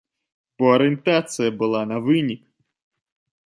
Бо арыентацыя была на вынік.